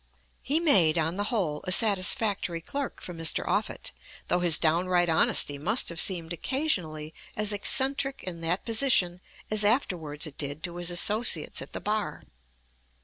] He made on the whole a satisfactory clerk for Mr. Offutt, though his downright honesty must have seemed occasionally as eccentric in that position as afterwards it did to his associates at the bar.